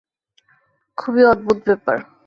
খুবই অদ্ভুত ব্যাপার।